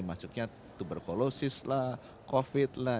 masuknya tuberculosis lah covid lah